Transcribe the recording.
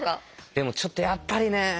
でもちょっとやっぱりね。